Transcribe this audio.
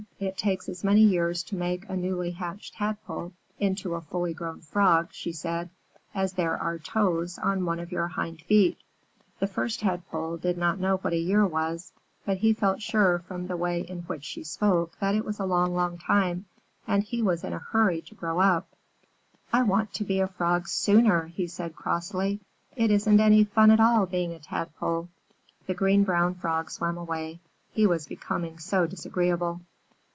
"It takes as many years to make a newly hatched Tadpole into a fully grown Frog," she said, "as there are toes on one of your hindfeet." The First Tadpole did not know what a year was, but he felt sure from the way in which she spoke that it was a long, long time, and he was in a hurry to grow up. "I want to be a Frog sooner!" he said, crossly. "It isn't any fun at all being a Tadpole." The Green Brown Frog swam away, he was becoming so disagreeable.